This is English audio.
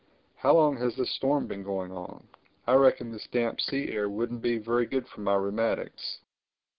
How long has this storm been going on? I reckon this damp sea air wouldn't be very good for my rheumatics."